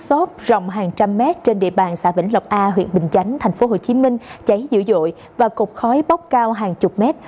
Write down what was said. sượng mutsop rộng hàng trăm mét trên địa bàn xã vĩnh lộc a huyện bình chánh tp hcm cháy dữ dội và cục khói bóc cao hàng chục mét